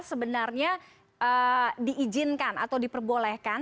sebenarnya diizinkan atau diperbolehkan